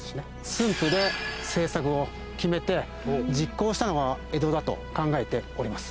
駿府で政策を決めて実行したのは江戸だと考えております。